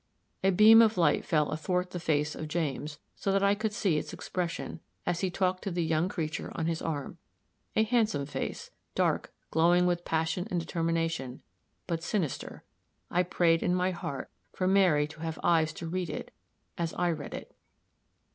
A beam of light fell athwart the face of James, so that I could see its expression, as he talked to the young creature on his arm a handsome face, dark, glowing with passion and determination, but sinister. I prayed, in my heart, for Mary to have eyes to read it as I read it.